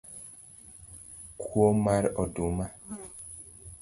Kuo mar oduma